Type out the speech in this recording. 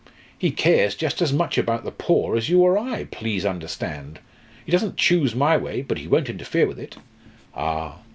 He cares just as much about the poor as you or I, please understand! He doesn't choose my way but he won't interfere with it." "Ah!